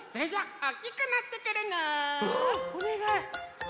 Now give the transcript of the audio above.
おねがい。